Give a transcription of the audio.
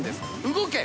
動け！